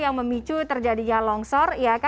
yang memicu terjadinya longsor